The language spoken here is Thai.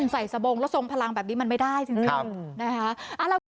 ใส่สบงแล้วทรงพลังแบบนี้มันไม่ได้จริงนะคะ